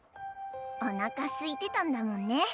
おなかすいてたんだもんね。